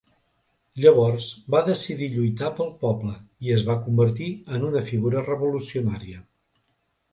Llavors, va decidir lluitar pel poble, i es va convertir en una figura revolucionària.